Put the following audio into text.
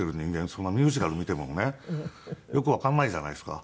そんなミュージカル見てもねよくわかんないじゃないですか。